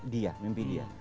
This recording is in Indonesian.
dia mimpi dia